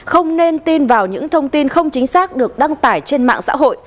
không nên tin vào những thông tin không chính xác được đăng tải trên mạng xã hội